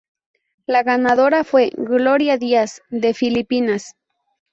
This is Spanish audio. La ganadora fue Gloria Diaz, de Filipinas.